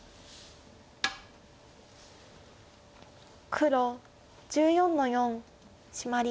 黒１４の四シマリ。